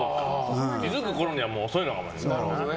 気づくころには遅いのかもね。